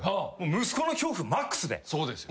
息子の恐怖マックスで。